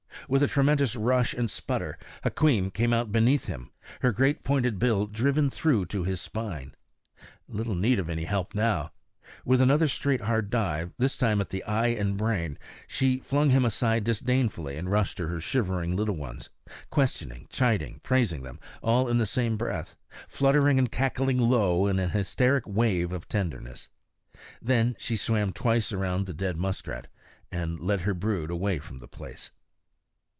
With a tremendous rush and sputter Hukweem came out beneath him, her great pointed bill driven through to his spine. Little need of my help now. With another straight hard drive, this time at eye and brain, she flung him aside disdainfully and rushed to her shivering little ones, questioning, chiding, praising them, all in the same breath, fluttering and cackling low in an hysteric wave of tenderness. Then she swam twice around the dead muskrat and led her brood away from the place.